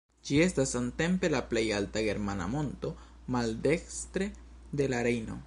Ĝi estas samtempe la plej alta germana monto maldekstre de la Rejno.